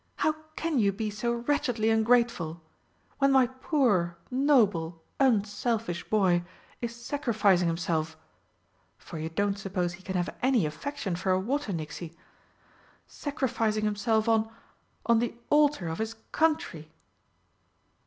"How can you be so wretchedly ungrateful? When my poor, noble, unselfish boy is sacrificing himself for you don't suppose he can have any affection for a Water nixie? sacrificing himself on on the altar of his country!"